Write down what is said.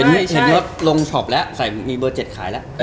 เงินยกลงชอปแล้วใส่มีเบอร์๗ขายแล้ว